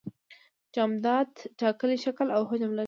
جامدات ټاکلی شکل او حجم لري.